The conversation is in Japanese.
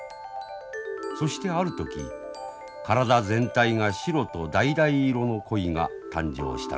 そしてある時体全体が白とだいだい色の鯉が誕生したのです。